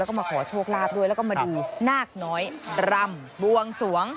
แล้วก็มาขอโชคลาภด้วยแล้วก็มาดูนาคน้อยรำบวงสวง